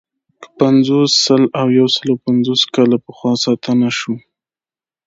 که پنځوس، سل او یو سلو پنځوس کاله پخوا ستانه شو.